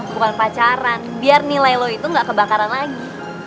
bukan pacaran biar nilai lo itu nggak kebakaran lagi